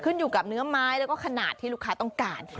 อยู่กับเนื้อไม้แล้วก็ขนาดที่ลูกค้าต้องการ